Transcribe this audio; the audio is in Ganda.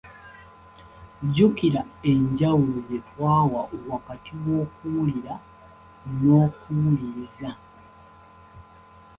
Jjukira enjawulo gye twawa wakati w’okuwulira n’okuwuliriza.